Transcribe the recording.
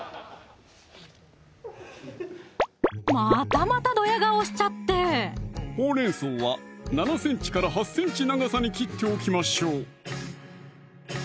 またまたどや顔しちゃってほうれん草は７ｃｍから８ｃｍ長さに切っておきましょう